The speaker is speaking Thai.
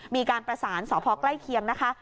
มีการประสานสพใกล้เคียงนะคะ